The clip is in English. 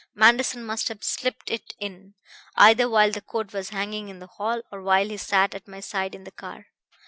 Manderson must have slipped it in, either while the coat was hanging in the hall or while he sat at my side in the car.